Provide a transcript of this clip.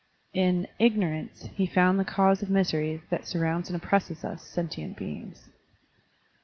In Ignorance he found the cause of misery that surrounds and oppresses us, sentient beings.